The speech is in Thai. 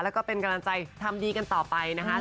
แล้วก็เป็นกำลังใจทำดีกันต่อไปนะคะ